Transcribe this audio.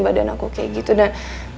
badan aku kayak gitu nah